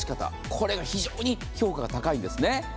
これが非常に評価が高いんですね。